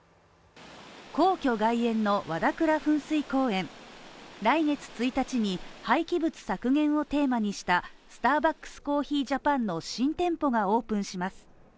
皇居外苑の和田倉噴水公園、来月１日に廃棄物削減をテーマにしたスターバックスコーヒージャパンの新店舗がオープンします。